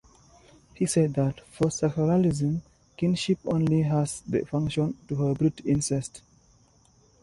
He said that, for structuralism, kinship only has the function to prohibit incest.